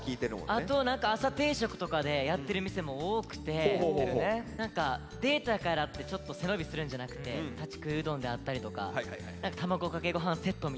あと朝定食とかでやってる店も多くて何かデートやからってちょっと背伸びするんじゃなくて立ち食いうどんであったりとか卵かけ御飯セットみたいな。